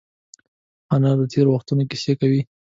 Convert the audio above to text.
انا د تېر وخت کیسې کوي